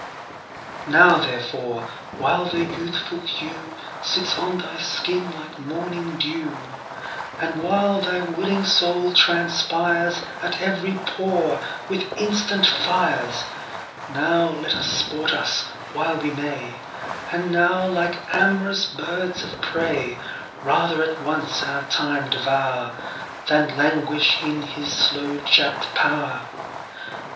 Now therefore, while the youthful hewSits on thy skin like morning [dew]And while thy willing Soul transpiresAt every pore with instant Fires, Now let us sport us while we may; And now, like am'rous birds of prey, Rather at once our Time devour, Than languish in his slow chapt pow'r.